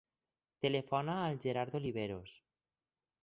Telefona al Gerard Oliveros.